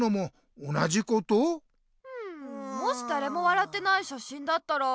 んもしだれも笑ってないしゃしんだったら。